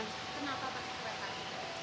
kenapa pakai kereta